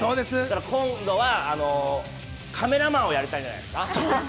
今度はカメラマンをやりたいんじゃないですか？